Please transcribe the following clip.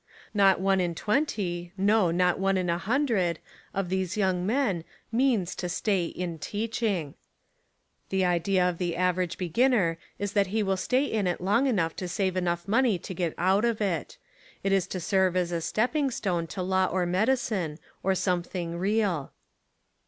Not one in twenty — no, not one in a hun dred — of these young men means to stay "in teaching." The idea of the average beginner Is that he will stay in it long enough to save enough money to get out of it. It is to serve as a stepping stone to law or medicine,. or some thing real.